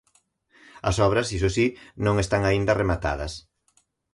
As obras, iso si, non están aínda rematadas.